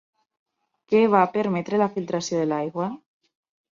Què va permetre la filtració de l'aigua?